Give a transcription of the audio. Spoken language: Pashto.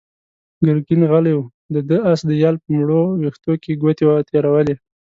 ګرګين غلی و، ده د آس د يال په مړو وېښتو کې ګوتې تېرولې.